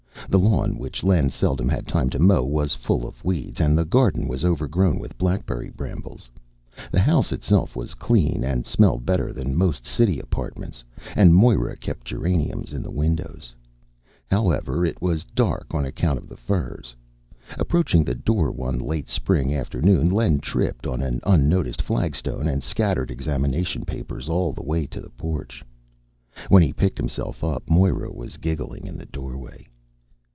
The lawn, which Len seldom had time to mow, was full of weeds, and the garden was overgrown with blackberry brambles. The house itself was clean and smelled better than most city apartments, and Moira kept geraniums in the windows. However, it was dark on account of the firs. Approaching the door one late spring afternoon, Len tripped on an unnoticed flagstone and scattered examination papers all the way to the porch. When he picked himself up, Moira was giggling in the doorway.